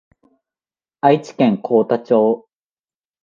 愛知県幸田町